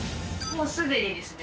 もうすでにですね